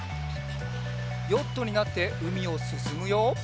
ヨットになってうみをすすむよ。